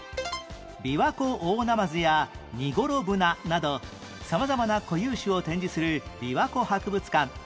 ビワコオオナマズやニゴロブナなど様々な固有種を展示する琵琶湖博物館